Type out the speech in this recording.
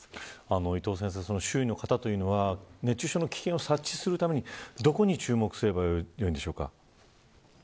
伊藤先生、周囲の方というのは熱中症の危険を察知するためにどこに注目すればいいんでしょうか。